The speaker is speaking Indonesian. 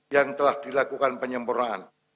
yang telah dilakukan penyempurnaan